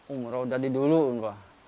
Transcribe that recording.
umroh udah di dulu umroh